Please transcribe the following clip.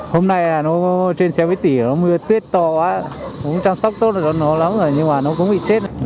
hôm nay là nó trên xe bếp tỉ nó mưa tuyết to quá không chăm sóc tốt là nó lắm rồi nhưng mà nó cũng bị chết